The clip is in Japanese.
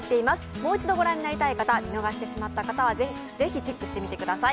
もう一度御覧になりたい方見逃してしまった方は是非チェックしてみてください。